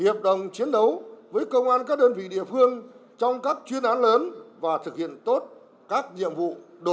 hiệp đồng chiến đấu với công an các đơn vị địa phương trong các chuyên án lớn và thực hiện tốt các nhiệm vụ đột